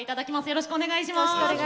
よろしくお願いします。